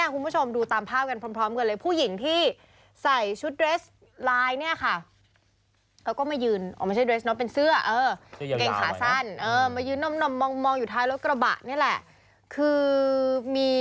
คุณผู้ชมดูตามภาพกันพร้อมกันเลย